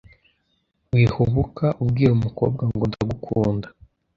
wihubuka ubwira umukobwa ngo “ndagukunda